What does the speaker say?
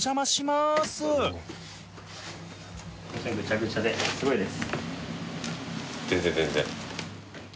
すごいです。